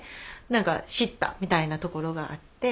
何か知ったみたいなところがあって。